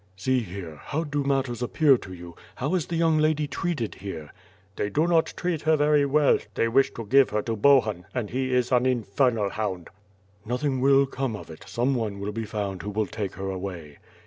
"See here, how do matters appear to you; how is the young lady treated here?" "They do not treat her very well; they wish to give her to Bohun, and he is an infernal hound." "Nothing will come of it, someone will be found who will take her away."